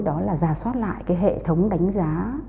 đó là giả soát lại cái hệ thống đánh giá